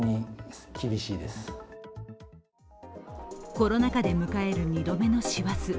コロナ禍で迎える２度目の師走。